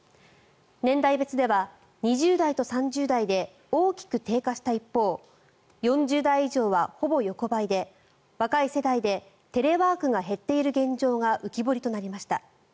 年代別では２０代と３０代で大きく低下した一方４０代以上は、ほぼ横ばいで若い世代でテレワークが減っている現状が浮き彫りとなりました。